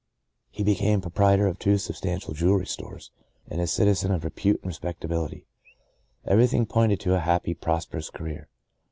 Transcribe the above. He became proprietor of two substantial jewelry stores, and a citizen of repute and respectability. Everything pointed to a happy, prosperous career.